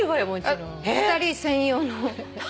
２人専用の。